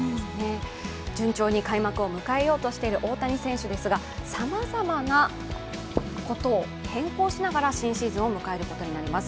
順調に開幕を迎えようとしている大谷選手ですがさまざまなことを変更しながら新シーズンを迎えることになります。